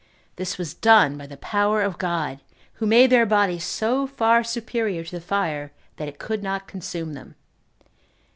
This was done by the power of God, who made their bodies so far superior to the fire, that it could not consume them.